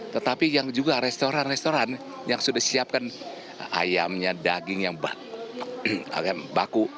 tetapi yang juga restoran restoran yang sudah siapkan ayamnya daging yang baku